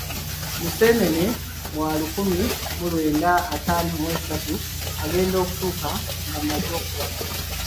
Museenene wa lukumi mu lwenda ataano mu esatu agenda okutuuka nga maze okuwasa.